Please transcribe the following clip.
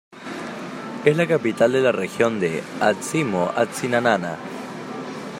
Es la capital de la región de Atsimo-Atsinanana.